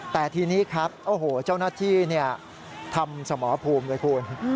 แต่ทีนี้ครับโอ้โหเจ้าหน้าที่ทำสมรภูมิเลยคุณ